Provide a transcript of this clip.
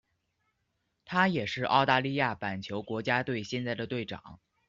他也是澳大利亚板球国家队现在的队长。